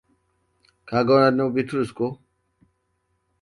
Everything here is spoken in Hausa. Ka gano Bitrus, ko?